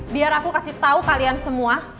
biar aku kasih tau kalian semua